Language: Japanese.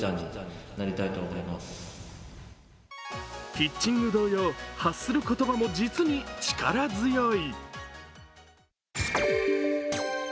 ピッチング同様、発する言葉も実に力強い。